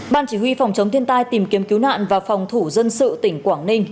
ban chỉ huy phòng chống thiên tai tìm kiếm cứu nạn và phòng thủ dân sự tỉnh quảng ninh